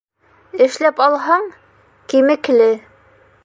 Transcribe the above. Эшләп алһаң, кимекле.